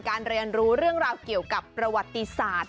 เรียนรู้เรื่องราวเกี่ยวกับประวัติศาสตร์